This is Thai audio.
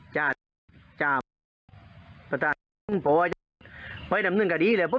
จ้าจ้าพระเจ้าพ่อไปนำเนื่องกันดีเลยครับ